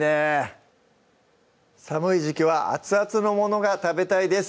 寒い時季は熱々のものが食べたいです